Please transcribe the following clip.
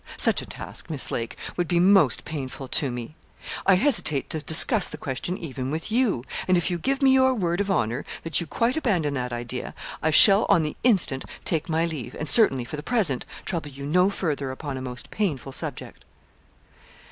Such a task, Miss Lake, would be most painful to me. I hesitate to discuss the question even with you; and if you give me your word of honour that you quite abandon that idea, I shall on the instant take my leave, and certainly, for the present, trouble you no further upon a most painful subject.'